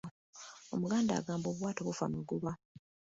"Omuganda agamba, ""Obwato bufa magoba""."